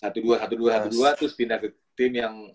terus pindah ke tim yang